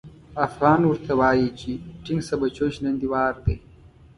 افغان ورته وايي چې ټينګ شه بچو چې نن دې وار دی.